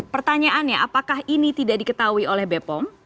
pertanyaannya apakah ini tidak diketahui oleh bepom